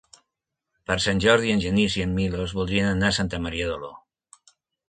Per Sant Jordi en Genís i en Milos voldrien anar a Santa Maria d'Oló.